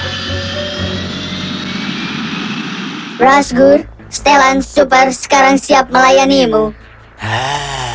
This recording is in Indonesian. razgoor setelan super sekarang siap melayani imu